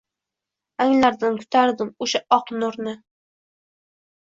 Anglardim, kutardim o’sha oq nurni